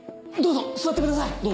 どうぞ座ってください。